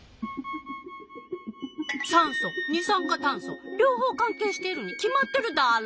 酸素二酸化炭素両方関係しているに決まってるダーロ！